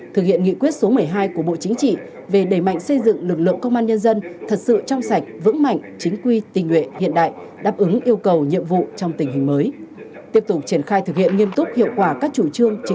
thực hiện nghị quyết số một mươi hai của bộ chính trị về đẩy mạnh xây dựng lực lượng công an nhân dân thật sự trong sạch vững mạnh chính quy tình nguyện hiện đại đáp ứng yêu cầu nhiệm vụ trong tình hình mới